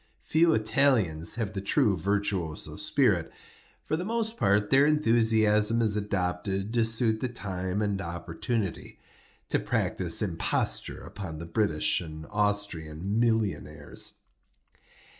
Few Italians have the true virtuoso spirit. For the most part their enthusiasm is adopted to suit the time and opportunity—to practise imposture upon the British and Austrian millionaires.